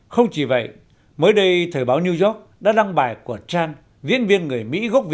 không chỉ vậy mới đây thời báo new york đã đăng bài của chan viên viên người mỹ gốc